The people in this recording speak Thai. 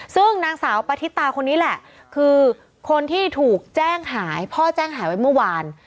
ซึ่งนางสาวปฏิตาคนนี้แหละคือคนที่ถูกแจ้งหายพ่อแจ้งหายไว้เมื่อวาน